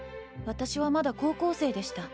わたしはまだ高校生でした。